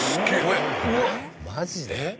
マジで？